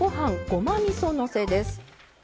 ごまみそのせです。